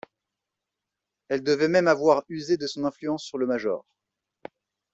Elle devait même avoir usé de son influence sur le major.